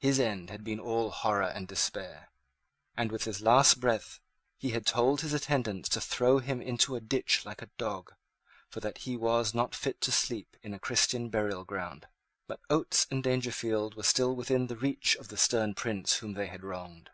His end had been all horror and despair; and, with his last breath, he had told his attendants to throw him into a ditch like a dog, for that he was not fit to sleep in a Christian burial ground. But Oates and Dangerfield were still within the reach of the stern prince whom they had wronged.